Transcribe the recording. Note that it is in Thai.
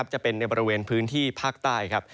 จะเป็นในบริเวณพื้นที่ภาคใต้ครับ